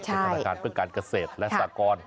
ใช่เป็นธนาคารเพื่อการเกษตรและศาลกรณ์